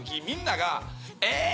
みんながえ！